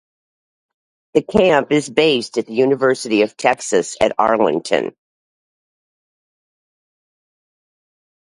The camp is based at the University of Texas at Arlington.